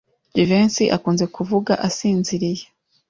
Jivency akunze kuvuga asinziriye.